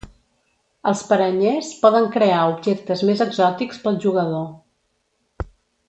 Els paranyers poden crear objectes més exòtics pel jugador.